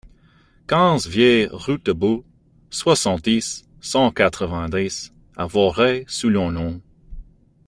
quinze vieille Route de Boult, soixante-dix, cent quatre-vingt-dix à Voray-sur-l'Ognon